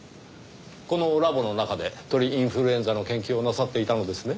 このラボの中で鳥インフルエンザの研究をなさっていたのですね？